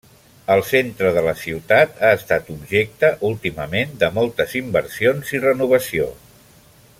El centre de la ciutat ha estat objecte, últimament, de moltes inversions i renovació.